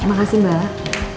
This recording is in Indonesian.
terima kasih mbak